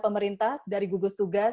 pemerintah dari gugus tugas